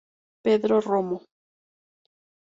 Pedro Romo